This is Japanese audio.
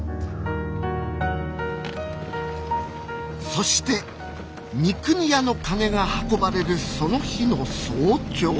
そして三国屋の金が運ばれるその日の早朝。